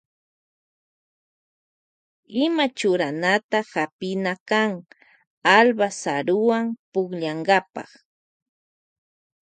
Ima churanata hapina kan Alba rasuwa pukllankapa.